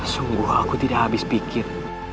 sungguh aku tidak habis pikir